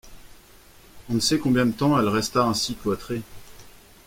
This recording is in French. On ne sait combien de temps elle resta ainsi cloîtrée.